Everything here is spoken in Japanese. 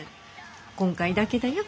今回だけだよ。